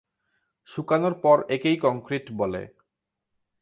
শুকানোর পর একেই কংক্রিট বলে।